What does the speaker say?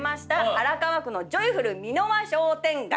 荒川区のジョイフル三の輪商店街。